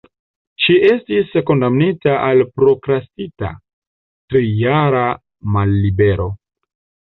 Ŝi estis kondamnita al prokrastita trijara mallibero.